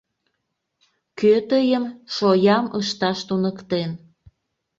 Кӧ тыйым шоям ышташ туныктен?